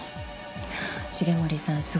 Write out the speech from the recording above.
重森さん